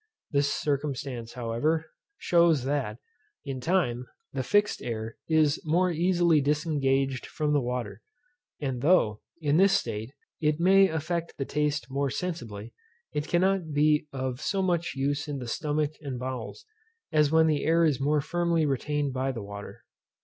This circumstance, however, shews that, in time, the fixed air is more easily disengaged from the water; and though, in this state, it may affect the taste more sensibly, it cannot be of so much use in the stomach and bowels, as when the air is more firmly retained by the water.